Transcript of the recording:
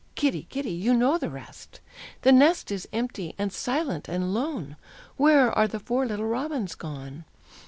Kitty, Kitty, you know the rest. The nest is empty, and silent and lone; Where are the four little robins gone?